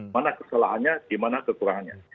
mana kesalahannya di mana kekurangannya